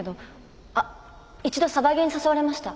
あっ一度サバゲーに誘われました。